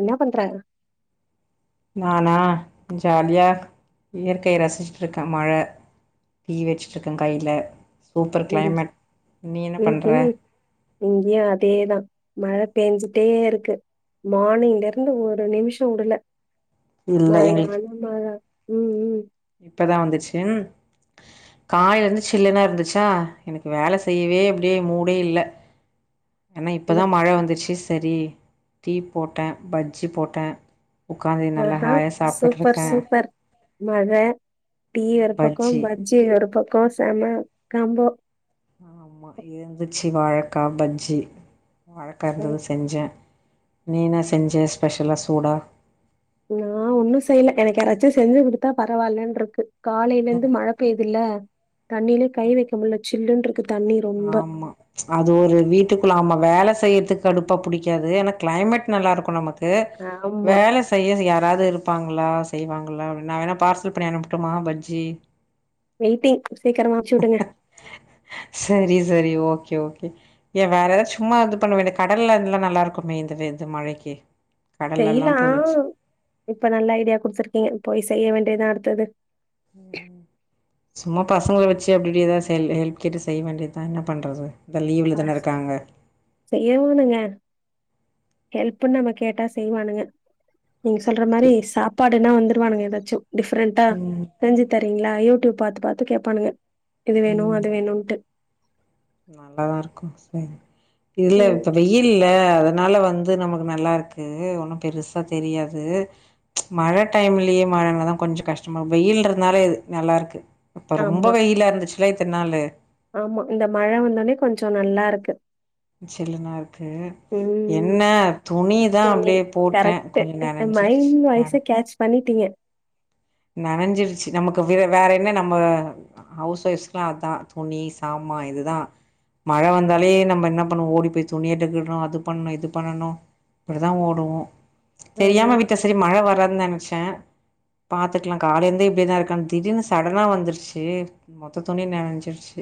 என்ன பண்ற நானா ஜாலியா இயற்கைய ரசிச்சிட்டு இருக்கேன் மழ டீ வச்சிட்டு இருக்கேன் கையில சூப்பர் ம் கிளைமேட் நீ என்ன பண்ற இங்கயு அதேதா மழ பெஞ்சுட்டே இருக்கு மார்னிங்ல இருந்து ஒரு நிமிஷ விடல இல்ல மழையே வருமா ம் ம் இப்போதா வந்துச்சு காலைலயிருந்து சில்லுனு இருந்துச்சா எனக்கு வேல செய்யவே அப்டியே மூடே இல்ல ஏன்னா இப்போ இந்த தா மழ வந்துருச்சு செரி டீ போட்டேன் பஜ்ஜி போட்டேன் ஆ ஆ சூப்பர் சூப்பர் மழ டீ ஒரு பக்கோ பஜ்ஜி ஒரு பக்கோ செம காம்போ ஆமா இருந்துச்சு வாழக்கா பஜ்ஜி வாழக்கா இருந்தது ஐ- செஞ்சேன் நீ என்ன செஞ்ச ஸ்பெஷலா சூடா நா ஒன்னு செய்யல எனக்கு யாராச்சும் செஞ்சு குடுத்தா பரவாயில்லன் இருக்கு காலையில இருந்து மழ பெய்துயில்ல தண்ணியிலே கை வைக்க முடியல சில்லுன்னு இரு க்கு தண்ணீரு ஆமா ம்ச் அது ஒரு வீட்டுக்குள்ள ஆம வேலை செய்யறதுக்கு கடுப்பா புடிக்காது ஆனா கிளைமேட் நல்லா இருக்கும் நம க்கு ஆமா வேல செய்ய யாராவது இருப்பாங்களா செய்வாங்களா அப்டின்னு நா வேணா பார்சல் பண்ணி அனுப்பட்டுமா பஜ்ஜி வெயிட்டிங் சீக்கிரமா அனுப்ச்சு விடுங்க சேரி சேரி ஓகே ஓகே ஏ வேற ஏதாவது சும்மா இது பண்ண வேண்டிய கடல இதெல்லா நல்லா இருக்குமே இந்த இந்த இது மழைக்கு கடலெல்லா செய்யலா பொறிச்சு இப்ப நல்ல ஐடியா குடுத்துருக்கீங்க போய் செய்ய வேண்டியதா அடுத்தது சும்மா பசங்கள வச்சு அப்டி இப்டி ஏதாவது ஹெல்ப் கேட்டு செய்ய வேண்டிதா என்ன பண்றது இப்ப லீவுல தான இருக்காங்க செய்யவனுங்க ஹெல்ப்ன்னு நம்ம கேட்டா செய்வானுங்க நீங்க சொல்ற மாதிரி சாப்பாடுன்னா வந்துருவானுங்க ஏதாச்சு டிஃப்ரெண்டா ம் செஞ்சு தரீங்களா யூடியூப் பாத்து பாத்து கேட்பானுங்க இது வேணு ம் அது வேணுன்ட்டு நல்லாதா இருக்கும் சரி இதுலயா ம். தோழி இல்ல அதனால வந்து நமக்கு நல்லா இருக்கு ஒன்னு பெருசா தெரியாது மழை டைம்லயே மழனா தா கொஞ்சோ கஷ்டமா வெயில் இருந்தாலே இது நல்லா இருக்கு இப்ப ரொம்ப ஆமா, வெயிலா இருந்துச்சுலா இத்தன் நாளு ஆமா இந்த மழை வந்த ஒன்னே கொஞ்சோ நல்லா இருக்கு சில்லுனா இருக்கு ம். என்ன துணி தா துணி அப்டியே போட்டே கரெக்ட்டு. கொஞ்சோ நனச்சிடுச்சு மைண்ட் வாய்ஸ கேட்ச் பண்ணிட்டீங்க நனஞ்சிருச்சு நமக்கு வேற வேற என்ன நம்ம ஹவுஸ் ஒஃப்ஸ்க்கலா அதா துணி சாமா இதுதா மழை வந்தாலே நம்ம என்ன பண்ணணு ஓடி போய் துணி எடுக்கணு அது பண்ணணு இது பண்ணணு இப்டி தா ஓடுவோ ஆமா. தெரியாம விட்டே சரி மழை வராதுன்னு நெனைச்சே பாத்துக்கலா காலைல இருந்தே இப்டி தா இருக்கான்னு திடீர்னு சடனா வந்துடுச்சு மொத்த துணியு நனஞ்சிடுச்சு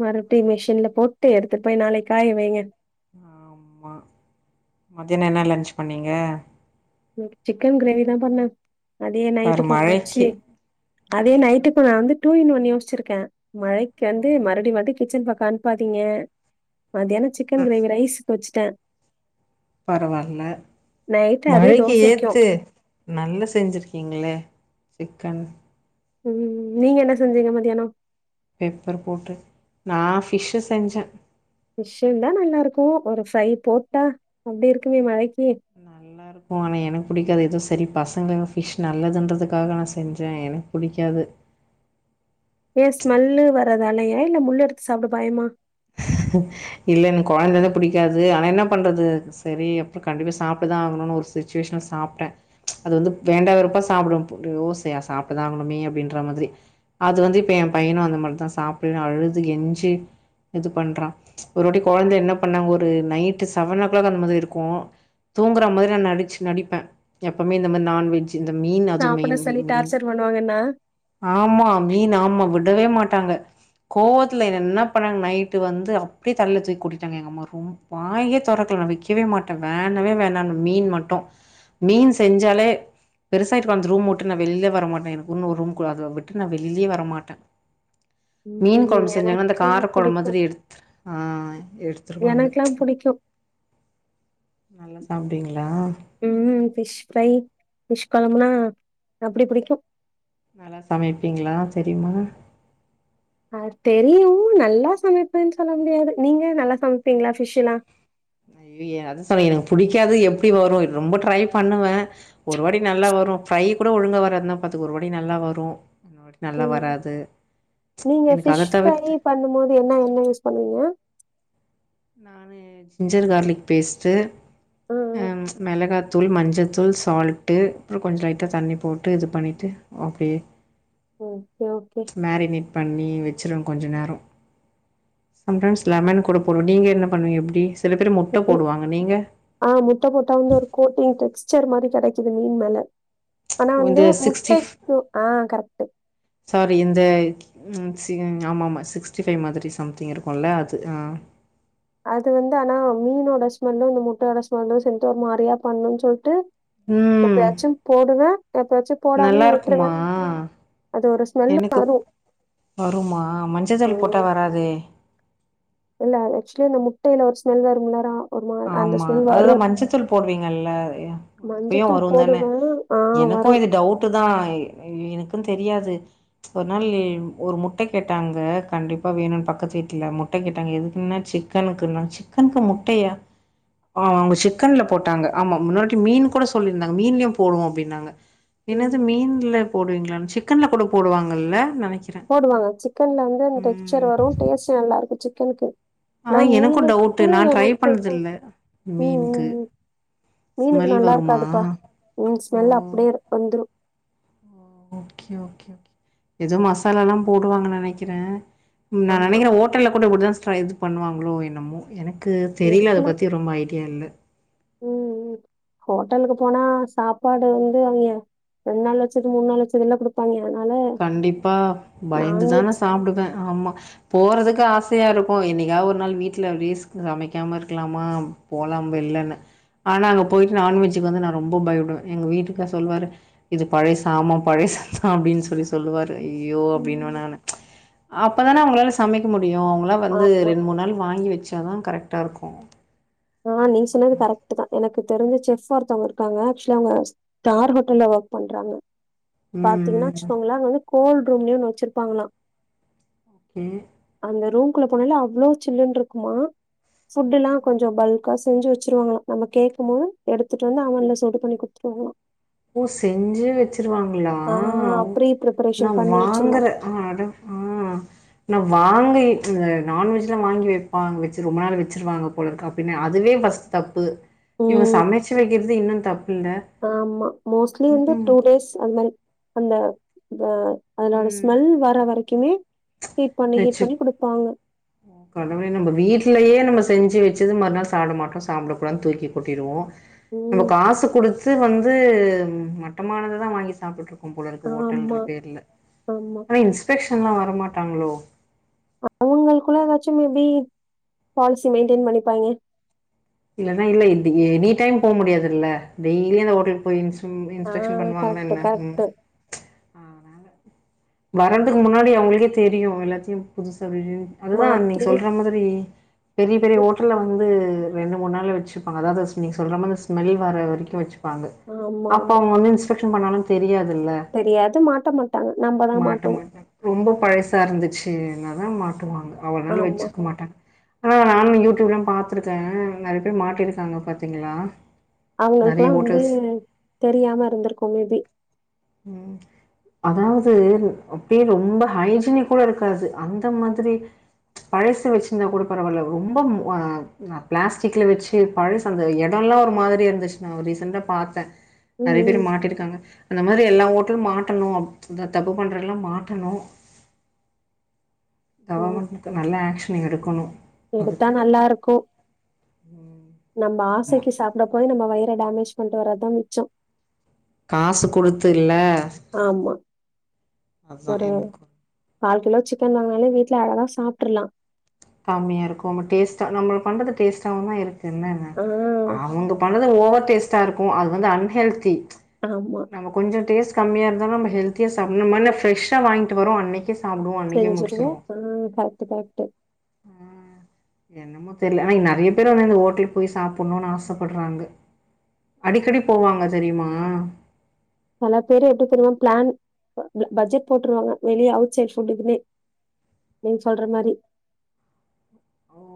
மறுபடியு மிஷின்ல போட்டு எடுத்துட்டு போய் நாளைக் காய வைங்க ஆமா மதியானோ என்ன லன்ச் பண்ணீங்க சிக்கன் கிரேவி தா பண்ணே அதயே பாரு நைட்டுக்கும் வச்சு மழைக்கி அதே ம் நைட்டுக்கு நா வந்து டூ இன் ஒன் யோசிச்சிருக்கே மழைக்கு வந்து மறுபடியு மறுபடியு கிச்சன் பக்கோ அனுப்பாதீங்க மத்தியானோ சிக்கன் கிரேவி ரைஸ்க்கு வச்சுட்டே பரவால்ல அதே மழைக்கு தோசைக்கும். ஏத்து து நல்ல செஞ்சிருக்கீங்களே சிக்கன் ம் ம் நீங்க என்ன செஞ்சீங்க மத்தியானோ பெப்பர் போட்டு நா ஃபிஷ்ஷு செஞ்சே பிஷ்ஷும் தா நல்லா இருக்கும் ஒரு ஃப்ரை போட்டா அப்டி இருக்குமே மழைக்கு போங்க எனக்கு பிடிக்காது ஏதோ சரி பசங்க ஃபிஷ் நல்லதுன்றதுக்காக நா செஞ்சே எனக் புடிக்காது ஏ ஸ்மெல்லு வரதாலயா இல்ல முள்ள எடுத்து சாப்ட பயமா இல்ல எனக்கு கொழந்தைல இருந்து புடிக்காது ஆனா என்ன பண்றது சரி அப்றோ கண்டிப்பா சாப்ட்டுதா ஆகணுன்னு ஒரு சிச்சுவேஷன்ல சாப்பிட்டே அது வந்து வேண்டா வெறுப்பா சாப்பிட அய்யோ சையா சாப்பிட்டுதா ஆகணுகமே அப்டின்ற மாதிரி அது வந்து இப்போ என் பையனு அந்த மதிரி தா சாப்பல்லைன்னு அழுது கெஞ்சி இது பண்றா ஒரு வாட்டி கொழந்தை என்ன பண்ணே ஒரு நைட் செவன் ஓ கிளாக் அந்த மாதிரி இருக்கு தூங்கிற மாதிரி நா நடிச் நடிப்பே எப்பவுமே இந்த மாதிரி நான்வெஜ் இந்த மீன் அது சாப்பிட மெயின் சொல்லி மீன் டார்ச்சர் பண்ணுவாங்கன்னா? ஆமா மீன் ஆமா விடவே மாட்டாங்க கோவத்துல என்னை என்ன பண்ணாங்க நைட் ட்டு வந்து அப்டியே தலைல தூக்கி கொட்டிட்டாங்க எங்க அம்மா ரொம் வாயே தெறக்கல நா வைக்கவே மாட்ட வேணவே வேணானு மீன் மட்டு மீன் செஞ்சாலே பெருசா இருக்கு அந்த ரூம விட்டு நா வெளிலே வரவே மாட்ட எனக்குன்னு ஒரு ரூம் கூ அத விட்டு நா வெளிலியே வர மாட்ட மீன் ம்ஹ்ம். குழம்பு செஞ்சாங்கன்ன அந்த கார எனக்கெல்லாம் கொழம்பு புடிக்கும். மாதிரி எடுத் ஆ எடுத்துருவாங்க எனக்கெல்லாம் புடிக்கும். நல்லா சாப்டுவீங்ளா ம் ஃபிஷ் ஃப்ரை ஃபிஷ் கொழம்புனா அப்டி புடிக்கும் நல்லா சமைப்பீங்ளா தெரியுமா அ தெரியும் நல்லா சமைப்பேன்னு சொல்ல முடியாது நீங்க நல்லா சமைப்பீங்ளா ஃபிஷ் எல்லாம் அய்ய அது சொன்ன எனக்கு புடிக்காது எப்டி வரும் ரொம்ப ட்ரை பண்ணுவேன் ஒரு வாட்டி நல்லா வரும் ஃப்ரை கூட ஒழுங்க வராதுனா பாத்துக்கோ ஒரு வாட்டி நல்லா வரும் இன்னொரு நல்லா ம். வராது எனக்கு அத தவிர்த்து பண்ணும் போது என்ன எண்ண யூஸ் பண்ணுவீங்க நானு ஜிஞ்சர் கார்லிக் பேஸ்ட்டு ஆ, அ ஆ. மிளகா தூள் மஞ்சள்த்தூள் சால்ட்டு அப்புறம் கொஞ்சம் லைட்டா தண்ணி போட்டு இது பண்ணிட்டு ஆப்டியே ஓகே ஓகே மேரினெட் பண்ணி வெச்சிருவ கொஞ்ச நேரம் சம் டைம்ஸ் லெமன் கூட போ நீங்க என்ன பண்ணுவீங்க எப்டி சில பேர் முட்ட போடுவாங்க நீங்க ஆ முட்ட போட்டா வந்து ஒரு கோட்டிங் டெக்ஸ்சர் மாரி கிடைக்குது மீன் மேல ஆனா வந்து இந்த சிக்ஸ்டி முட்டைக்கு ஆ கரெக்ட் சாரி இந்த ம் சிகன் ஆமா ஆமா சிக்ஸ்டி ஃபைவ் மாதிரி சம்திங் இருக்கும்ல அது அது வந்து ஆனா மீனோட ஸ்மெல்லும் இந்த முட்டையோட ஸ்மெல்லும் சேந்ட்டு ஒரு மாரியா பண்ணுன் சொல்ட்டு ம் எப்பயாச்சும் போடுவே எப்பயாச்சு நல்லா போடாமயு இருக்குமா விட்ருவேன் அது ஒரு ஸ்மெல்லு எனக்கு வரு வருமா மஞ்சத்தூள் போட்டா வராதே இல்ல ஆக்சுவலி இந்த முட்டையில ஒரு ஸ்மெல் வரும்லாரா ஆமா அதுதான் மஞ்சத் தூள் போடுவீங்கல்ல யா அப்பயும் மஞ்சத்தூள் வரும் தான போடுவே ஆ வரு எனக்கும் இது டவுட் தான் எனக்கும் தெரியாது ஒரு நாள் ஒரு முட்ட கேட்டாங்க கண்டிப்பா வேணும்னு பக்கத்து வீட்ல முட்ட கேட்டாங்க எதுக்குன்னா சிக் கனுக்குனா சிக்கன்க்கு முட்டயா ஆ அவுங்க சிக்கன்ல போட்டாங்க ஆமா முன்னாகுட்டி மீன் கூட சொல்லியிருந்தாங்க மீன்லயும் போடுவோம் அப்டின்னாங்க என்னது ம் மீன்ல போடுவீங்களான்னு சிக்கன்ல கூட போடுவாங்கல்ல நனைக்கிறேன் போடுவாங்க சிக்கன்ல வந்து அந்த டெக்ஸர் வரும் டேஸ்ட் நல்லா இருக்கும் சிக்கனுக்கு ஆனா அதா எனக்கு டவுட்டு மீனுக்கு நா ட்ரை எனக்கு கொ பண்ணதில்ல ம் மீனுக்கு ம் மீனுக்கு ஸ்மெல் நல்லா வருமா இருக்காதுப்பா மீன் ஓ ஸ்மெல் அப்டியே வந்துரும் ஓகே ஓகே எதோ மசாலல்லாம் போடுவாங்க நனக்கிறேன் நா ஆமா நெனக்கிறேன் ஹோட்டல கூட இப்டி தான் ஸ்ட்ரா இது பண்ணுவாங்களோ என்னமோ எனக்கு தெரில அத பத்தி ரொம்ப ஐடியா இல்ல உம் உம் ஹோட்டலுக்கு போனா சாப்பாடு வந்து அவிங்க ரெண்டு நாள் வச்சது மூணு நாள் வச்சதுலாம் குடுப் ப்பாய்ங்க அதனால கண்டிப்பா பயந்து தான் நா நான்வெஜ் சாப்டுவேன் ஆமா போறதுக்கு ஆசையா இருக்கும் என்னைக்கா ஒரு நாள் வீட்ல வீஸ்க் சமைக்காம இருக்கலாமா போலாம் வெள்ளன்னு ஆனா அங்க போயிட்டு நான்வெஜ்க்கு வந்து நா ரொம்ப பயப்படுவேன் எங்க வீட்டுக்காரு சொல்லுவாரு இது பழைய சாமம் பழைய சான் அப்டின்னு சொ சொல்லி சொல்லுவாரு ஐயோ அப்டின்னு ம் வேண் அப்பதான அவுங்ளால சமைக்க அவுங்ளா வந்து ஆமா ரெண்டு மூணு நாள் வாங்கி வச்சா தான் கரெக்ட்டா இருக்கும் ஆ நீங் சொன்னது கரெக்ட்டு தா என தெரி்ஞ்சு செஃப்ஃபா ஒருத்தவுங்க இருக்காங்க ஆக்சுவலா அவுங்க ஸ்டார் ஹோட்டல ஒர்க் பண்றாங்க பாத்தீங்கன்னா ம். வச்சுக்கோங்களே அவுங்க வந்து கோல் ரூம்லயு ஒன்னு வச்சிருப்பாங்களா ம் அந்த ரூம்குள்ள போனாலே அவ்ளோ சில்லுன்னுட்ருக்குமா ஃபுட் எல்லா கொஞ் கொஞ்சோ பல்கா செஞ்சு வச்சுருவாங்களா நம்ம கேக்கம் போது எடுத்துட்டு வந்து அவன்ல சுடு பண்ணி குடுத்துருவாங்களா ஓ செஞ்சே வச்சிருவாங்களா ஆ ப்ரீ நா ப்ரிப்பரேஷன் பண்ணி வாங்கற வச்சிருவாங்க ஆ அது ஆ நா வாங்கி இந்த நான்வெஜ்லா வாங்கி வெப்பாங்க வச்சு ரொம்ப நாள் வச்சருவாங்க போலருக்கு அப்டின்னே அதுவே ஃபஸ் தப்பு இவுங்க ம் சமைச்சு வைக்கிறது இன்னு தப்பு இல்ல ஆமா மோஸ்ட்லி வந்து டூ டேஸ் அது மாரி அந்த த அதனோட ம். ஸ்மெல் வர வரைக்குமே ஹீட் பண்ணி ஹீட் வச்சு பண்ணி குடுப்பாங்க கடவுளே நம்ப வீட்லயே நம்ம செஞ்சு வச்சது மறுநாள் சாப்ட மாட்டோ சாப்டக்கூடாதுனு தூக்கி கொட்டிடுவோ நம்ம ம் காசு குடுத்து வந்து மட்டமானததா வாங்கி சாப்ட்டு இருக் கோம் போல இருக்கு ஹோட்டல்ன்ற ஆமா பேர்ல ஆமா ஆனா இன்ஸ்பெக்ஷன்லா வரமாட்டாங்களோ அவுங்களுக்குள்ள ஏதாச்சு மேபி பாலிசி மெயின்டெயின் பண்ணிப்பாங்க இல்லனா இல்ல இந்த எனி டைம் போ முடியாதுல்ல டெய்லி அந்த ஹோட்டல் போயி இன்ஸ் ம் ஆ இன்ஸ்பெக்க்ஷன் பண்ணுவாங்களா கரெக்ட் என்ன ம் கரெக்ட் ஆனா வரதுக்கு முன்னாடி அவுங்களுக்கே தெரியு எல்லாத்தயு புதுசு அப்டி இப்டின் அதுதா நீங்க மாத்தி சொல்ற மாதிரி பெரிய பெரிய ஹோட்டல்ல வந்து ரெண்டு மூணு நாள் வச்சுப்பாங்க அதாவது நீ சொல்ற மாரி அந்த ஸ்மெல் வர வரைக்கு வச்சுப்பாங்க ஆமா அப்ப ஆமா அவுங்க வந்து ஃபேக்க்ஷன் பண்ணாலு தெரியாதுல்ல தெரியாது மாட்ட மாட் மாட்ட மாட்டா ரொம்போ பழசா இருந்துச்சுனாதா மாட்டுவாங்க அவ்ள நாள் ஆமா வச்சுருக்க மாட்டாங்க ஆ நானு யூ டியூப் எல்லா பாத்துருக்கே நெறய பேர் மாட்டிருக்காங்க பாத்தீங்களா நெறைய அவுங்களுக்லா வந்து ஹோட்டல்ஸ் தெரியாம இருந்திருக்கு மேபி ம் அதாவது து அப்டியே ரொம்ப ஹைஜீனிக் கூட இருக்காது அந்த மாதிரி பழச வச்சிருந்தா கூட பரவால்ல ரொம்ப ம் வா நா பிளாஸ்டிக்கில வச்சு பழசு அந்த எடோலா ஒரு மாரி இருந்துச்சு நா ஒரு ரீசெண்ட்டா பாத்தே ம் நெறய பேர் ம் மாட்டிருக்காங்க அந்த மாரி எல்லா ஓட்டலு மாட்டணு அப் இந்த தப்பு பண்ற எல்லா மாட்டணு ஓ கவர்மெண்ட்டுக்கு நல்ல ஆக்ஷன் எடுக்கணு எடுத்தா அதுக்கு நல்லா இருக்கு நம்ம ஆமா ஆசைக்கு சாப்ட போய் நம்ம வயிற டேமேஜ் பண்ணிட்டு வரதுதா மிச்சம் காசு குடுத்து இல்ல ஆமா அதா ஒரு எனக்கு கால் கிலோ சிக்கன் வாங்குனாலே வீட்ல அழகா சாப்ட்ரலா கம்மியா இருக்கு நம்ம டேஸ்ட்டா நம்ம பண்றது டேஸ்ட்டாவுமே இருக்கு என்ன ஆ அவுங்க பண்ணது ஓவர் டேஸ்ட்டா இருக்கு அது வந்து அன்ஹெல்த்தி ஆமா கொஞ்ச டேஸ்ட் கம்மியா இருந்தாலு நம்ம ஹெல்த்தியா சாப்பணு நம்ம ஆனா ஃப்ரெஷ்ஷா வாங்கிட்டு வரோ அன்னக் கே சாப்டுவோ அன்னைக்கே முடிச்சுருவோ ம் ஃபேக்ட்டு ஃபேக்ட்டு என்னமோ தெரில ஆனா இ நிறைய பேர் வந்து இந்த ஹோட்டலுக்கு போய் சாப்பன்ணுனு ஆசப்படுறாங்க அடிக்கடி போவாங்க தெரியுமா சலப் பேரு எப்படி தெரியுமா பிளான் ப பப் பட்ஜெட் போட்ருவாங்க வெளிய அவுட் சைட்ஃபுட்டு க்குன்னே நீங்க சொல்ற மாரி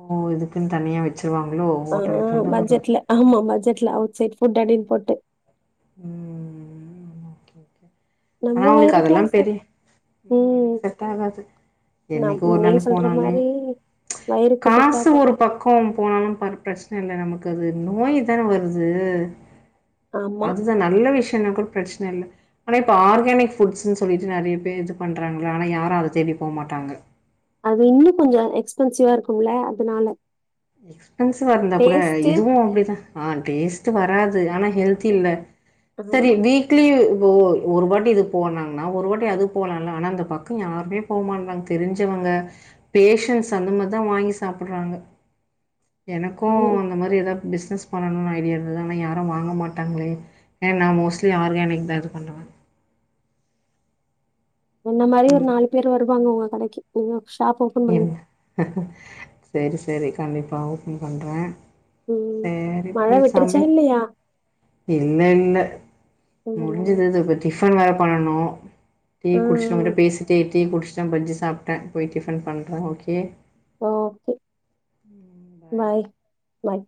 ஆ இதுக்குன் தனியா வச்சருவாங்களோ ஆ ஹோட்டலுக்குனு ஒரு பட்ஜெட்ல ஆமா பட்ஜட்ல அவுட் சைட்ஃபுட் அப்டின் போட்டு உ நம்ம வயருக்கலாஸ உ எனக் செட் ஆகாது நம் என்னைக்கோ ஒரு நாள் நீங்க சொல்ற போனாலே மாரி ச் வயிறுக்கு செட் காசு ஒரு ஆகாது பக் கோ போனாலு பாரு பிரச்சன இல்ல நமக்கு அது நோய் தான வருது ஆமா ஒரு நல்ல விஷயம்ன்னா கூடப் பிரச்சன இல்ல ஆனா இப்ப ஆர்கானிக்ஃபுட்ஸ்னு சொல்லிட்டு நிறையா பேர் இது பண்றாங்களா ஆனா யாரு அத தேடி போமாட்டாங்க அது இன்னு கொஞ்சோ எக்ஸ்பென்சிவா இருக்குல அதுனால எக்ஸ்பென்சிவா இருந்தா கூட இதுவு அப்டிதா ஆ டேஸ்ட்டு வராது ஆனா ஹெல்த்தி இல்ல சரி ஆமா வீக் க்ளி இது ஒரு ஒரு வாட்டி இது போனாங்ன்னா ஒரு வாட்டி அது போலால ஆனா அந்த பக்கோ யாருமேப் போமான்றாங் தெரிஞ்சவங்க பேஷன்ஸ் அந்த மாரிதா வாங்கி சாப்பிட்றாங்க எனக்கு அவங்க அந்த மாரி ஏதா பிஸ்னஸ் பண்ணணும்னு ஐடியா இருந்தது ஆனா யாரு வாங்க மாட்டாங்களே ஏன்னா மோஸ்ட்லி ஆர்கானிக் தா இது கொண்டு என்ன மாரி ஒரு ஆமா. நாலு பேர் வருவாங்க உங்க கடைக்கி உ ஷாப் ஓப் உ சரி சரி கண்டிப்ப ஓப்பன் பண்றே ம் உ நீ மழ போய் விட்டுருச்சா சமே இல்லையா இல்ல இல்ல இல்லல்ல முடிஞ்சதத படி டிஃபன் வேற பண்ணணு டீ ஆ குடிச்ட்டு ஒன்ட்ட பேசிட்டே டீ குடிச்சிட்டே பஜ்ஜி சாப்டே போய்ட்டு டிஃபன் பண்றே ஓகே ஓகே பாய் பாய்